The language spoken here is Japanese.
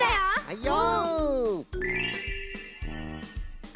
はいよ。